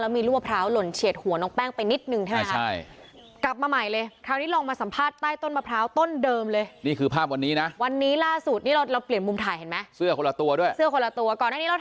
มีลูกมะพร้าวหล่นเฉียดหัวน้องแป้งไปนิดนึงใช่ไหมครับ